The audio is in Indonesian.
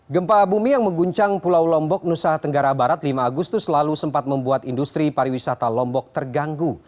gempa bumi yang mengguncang pulau lombok nusa tenggara barat lima agustus lalu sempat membuat industri pariwisata lombok terganggu